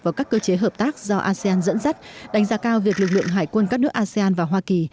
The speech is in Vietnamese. vào các cơ chế hợp tác do asean dẫn dắt đánh giá cao việc lực lượng hải quân các nước asean và hoa kỳ